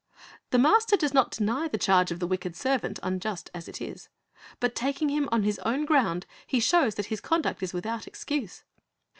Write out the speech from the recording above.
The master does not deny the charge of the wicked servant, unjust as it is; but taking him on his own ground he shows that his conduct is without excuse.